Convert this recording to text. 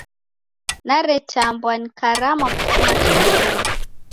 Neretambwa, nikarama kufuma kitandenyi!